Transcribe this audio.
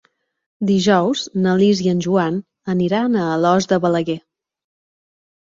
Dijous na Lis i en Joan aniran a Alòs de Balaguer.